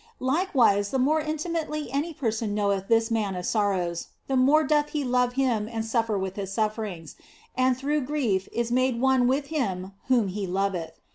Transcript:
Likewise, the more intimately any person knoweth this Man of Sorrows, the more doth he love Him and OF FOLIGNO 43 suffer with His sufferings, and through grief is made one with Him whom he loveth.